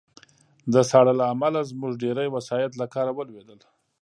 د ساړه له امله زموږ ډېری وسایط له کار ولوېدل